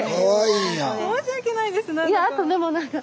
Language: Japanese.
申し訳ないですなんか。